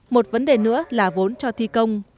một vấn đề nữa là vốn cho thi công